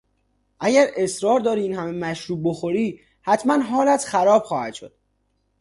اگر اصرار داری این همهمشروب بخوری حتما حالت خراب خواهد شد.